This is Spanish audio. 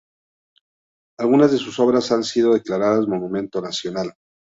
Algunas de sus obras han sido declaradas Monumento Nacional.